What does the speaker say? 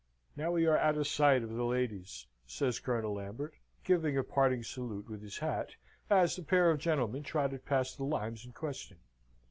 "Now we are out of sight of the ladies," says Colonel Lambert, giving a parting salute with his hat, as the pair of gentlemen trotted past the limes in question.